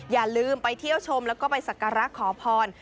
อย่าลืมไปเที่ยวชมแล้วก็ไปสักการะขอพร